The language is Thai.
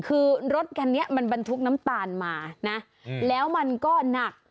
คือรถคันนี้มันบรรทุกน้ำตาลมานะแล้วมันก็หนัก